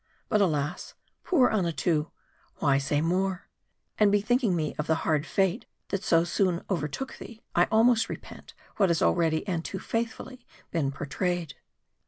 But alas, poor Annatoo, why say more ? And bethink ing me of the hard fate that so soon overtook thee, I al most repent what has already and too faithfully been por trayed.